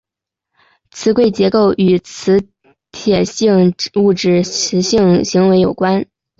磁矩结构与铁磁性物质的磁性行为有关。